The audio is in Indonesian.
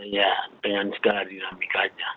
ya dengan segala dinamikanya